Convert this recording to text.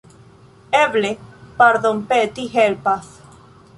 Eble pardonpeti helpas.